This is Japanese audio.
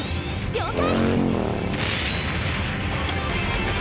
了解！